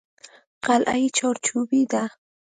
قلعه یې چارچوبي ده.